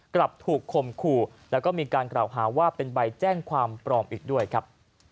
กลับถูกคมขู่แล้วก็มีการกล่าวหาว่าเป็นใบแจ้งความปลอมอีกด้วยครับ